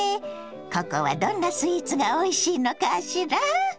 ここはどんなスイーツがおいしいのかしら？